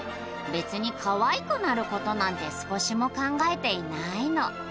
別に「カワイくなる」ことなんて少しも考えていないの。